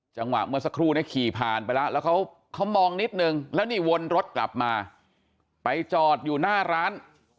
จังหวะเมื่อสักครู่ขี่ผ่านไปแล้วเขามองนิดนึงแล้วนรถกลับมาไปจอดอยู่หน้าร้าน